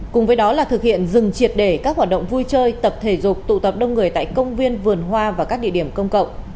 cùng với đó là thực hiện dừng triệt để các hoạt động vui chơi tập thể dục tụ tập đông người tại công viên vườn hoa và các địa điểm công cộng